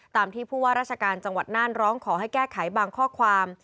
ที่ผู้ว่าราชการจังหวัดน่านร้องขอให้แก้ไขบางข้อความ